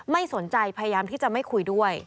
ไม่สนใจพยายามที่จะไม่คุยด้วย